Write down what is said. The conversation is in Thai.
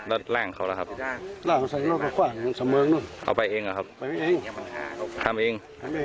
แล้วแร่งเขาล่ะครับเอาไปเองเหรอครับทำเอง